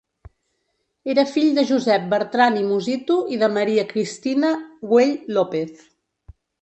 Era fill de Josep Bertran i Musitu i de Maria Cristina Güell López.